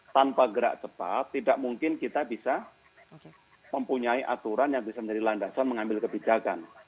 tanpa gerak cepat tidak mungkin kita bisa mempunyai aturan yang bisa menjadi landasan mengambil kebijakan